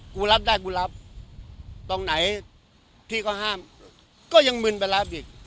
กูรับได้กูรับตรงไหนที่เขาห้ามก็ยังมึนไปรับอีก